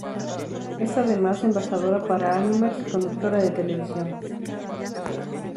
Es además embajadora para Animax y conductora de televisión.